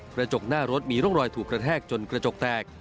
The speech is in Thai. กระจกหน้ารถมีร่องรอยถูกกระแทกจนกระจกแตก